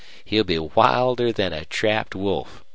He'll be wilder than a trapped wolf.